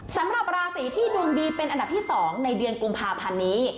สำหรับราศีที่ดวงดีเป็นอันดับที่๒ในเดือนกุมภาพันธ์นี้